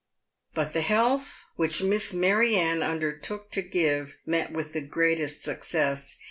But the health which Miss Mary Anne undertook to give met with the greatest success.